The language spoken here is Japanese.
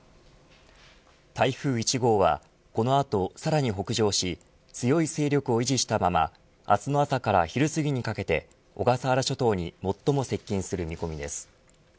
台風１号は、この後さらに北上し強い勢力を維持したまま明日の朝から昼すぎにかけて小笠原諸島にも最も接近する見込みです。